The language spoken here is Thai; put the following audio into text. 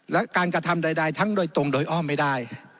และการกระทำใดทั้งโดยตรงโดยอ้อมไม่ได้